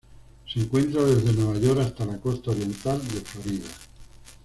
Se encuentra desde Nueva York hasta la costa oriental de Florida.